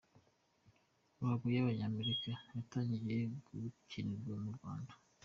Ruhago y’Abanyamerika yatangiye gukinirwa mu Rwanda